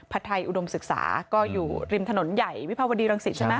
ไทยอุดมศึกษาก็อยู่ริมถนนใหญ่วิภาวดีรังสิตใช่ไหม